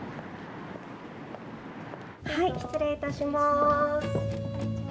失礼いたします。